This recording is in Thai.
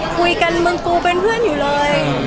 คุยกันเมืองกูเป็นเพื่อนอยู่เลย